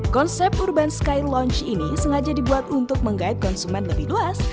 konsep urban sky lounge ini sengaja dibuat untuk menggait konsumen lebih luas